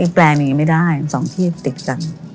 อีกแปลงหนึ่งยังไม่ได้สองที่ติดกัน